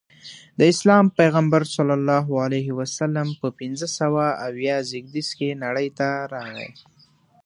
د اسلام پیغمبر ص په پنځه سوه اویا زیږدیز کې نړۍ ته راغی.